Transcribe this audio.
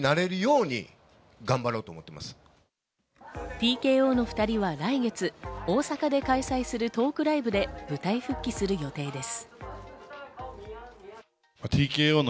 ＴＫＯの２人は来月、大阪で開催するトークライブで舞台復帰する予定です。